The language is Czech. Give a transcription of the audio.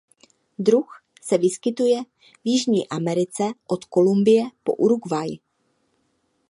Druh se vyskytuje v Jižní Americe od Kolumbie po Uruguay.